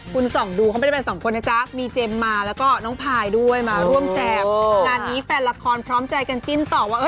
เพราะว่าเขาก็เล่นละครด้วยกันไงไพคาเจมมา